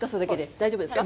大丈夫ですか？